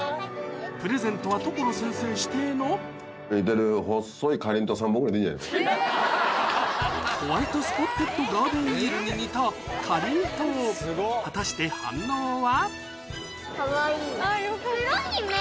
プレゼントは所先生指定のホワイトスポッテッドガーデンイールに似たかりんとう果たして反応は？